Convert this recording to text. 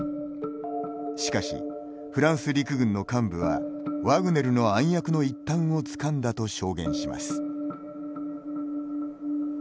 しかし、フランス陸軍の幹部はワグネルの暗躍の一端をつかんだと証言します。